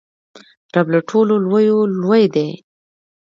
رب له ټولو لویو لوی دئ.